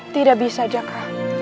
tidak bisa jaka